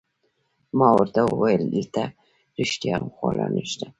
ما ورته وویل: دلته رښتیا هم خواړه نشته؟